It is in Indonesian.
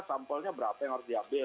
sampelnya berapa yang harus diambil